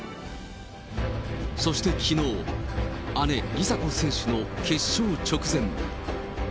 そしてきのう、姉、梨紗子選手の決勝直前。